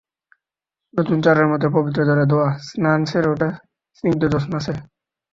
নতুন চরের মতো পবিত্র জলে ধোয়া, স্নান সেরে ওঠা স্নিগ্ধ জ্যোৎস্না সে।